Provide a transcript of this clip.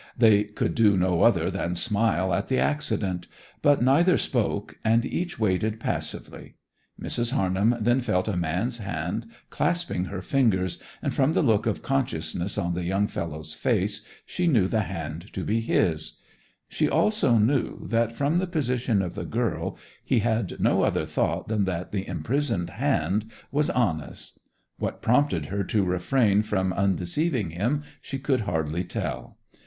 They could do no other than smile at the accident; but neither spoke, and each waited passively. Mrs. Harnham then felt a man's hand clasping her fingers, and from the look of consciousness on the young fellow's face she knew the hand to be his: she also knew that from the position of the girl he had no other thought than that the imprisoned hand was Anna's. What prompted her to refrain from undeceiving him she could hardly tell.